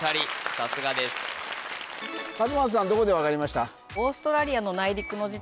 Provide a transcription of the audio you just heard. さすがです勝間田さんどこで分かりました？